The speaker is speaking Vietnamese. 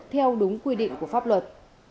theo đúng quy định của pháp luật